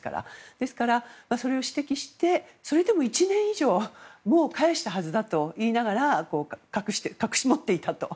ですから、それを指摘してそれでも１年以上もう返したはずだと言いながら隠し持っていたと。